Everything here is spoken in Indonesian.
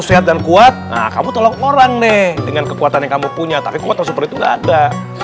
sehat dan kuat kamu tolak orang deh dengan kekuatan yang kamu punya tapi kekuatan super itu gak ada